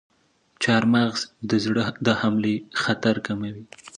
چارمغز د زړه د حملې خطر کموي.